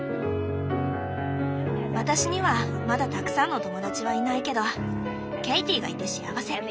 私にはまだたくさんの友だちはいないけどケイティがいて幸せ。